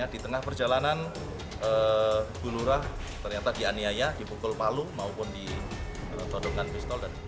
di tengah perjalanan gulurah ternyata dianiaya dibukul palu maupun ditodongkan pistol